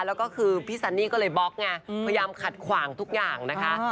แล้วก็คือพี่ซันนี่ก็เลยบล็อกไงพยายามขัดขวางทุกอย่างนะคะ